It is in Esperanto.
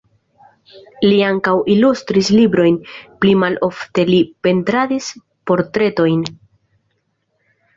Li ankaŭ ilustris librojn, pli malofte li pentradis portretojn.